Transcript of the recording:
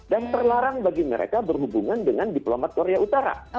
dan terlarang bagi mereka berhubungan dengan diplomat korea utara